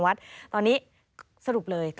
ไม่มีคำสั่ง